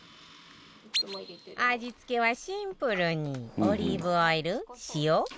味付けはシンプルにオリーブオイル塩黒コショウ